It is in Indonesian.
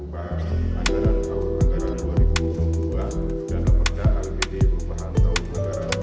perupahan tahun tahun anggaran dua ribu dua belas dan lembaga rgd perupahan tahun anggaran dua ribu dua belas